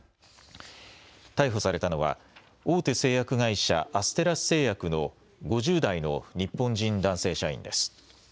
逮捕されたのは大手製薬会社、アステラス製薬の５０代の日本人男性社員です。